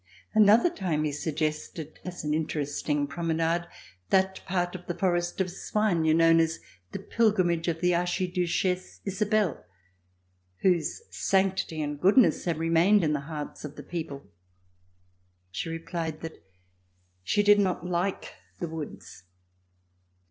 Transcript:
Another time he suggested as an interest ing promenade that part of the Forest of Soignes known as the "pilgrimage of the Archiduchesse Isabelle," whose sanctity and goodness have re mained in the hearts of the people. She replied that she did not like the woods.